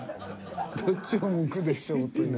どっちをむくでしょうという。